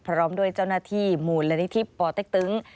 พร้อมด้วยเจ้าหน้าที่มูลนิธิปอเต็กตึง